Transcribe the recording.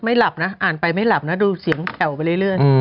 หลับนะอ่านไปไม่หลับนะดูเสียงแผ่วไปเรื่อย